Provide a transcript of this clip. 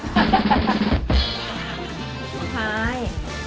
สุดท้าย